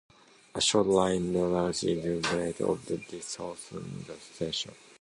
A short line to Largs Jetty branched off just south of the station.